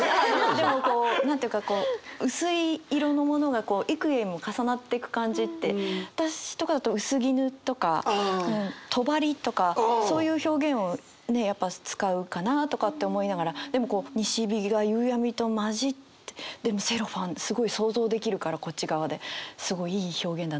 でもこう何て言うかこう薄い色のものがこう幾重も重なってく感じって私とかだと薄絹とか帳とかそういう表現をねやっぱ使うかなとかって思いながらでもこう西日が夕闇と混じってでもセロファンってすごい想像できるからこっち側ですごいいい表現だなと。